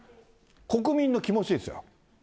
国民の気持ちですよ。